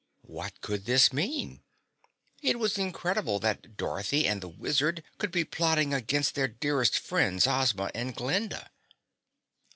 What could this mean? It was incredible that Dorothy and the Wizard could be plotting against their dearest friends, Ozma and Glinda.